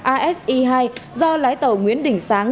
asi hai do lái tàu nguyễn đình sáng